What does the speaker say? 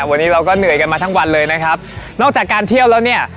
วันนี้เราก็เหนื่อยกันมาทั้งวันเลยนะครับนอกจากการเที่ยวแล้วเนี่ย